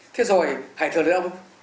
thế rồi hải thường đông